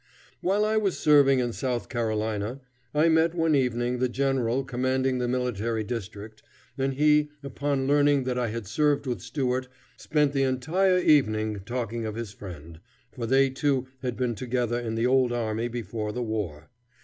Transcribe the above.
While I was serving in South Carolina, I met one evening the general commanding the military district, and he, upon learning that I had served with Stuart, spent the entire evening talking of his friend, for they two had been together in the old army before the war.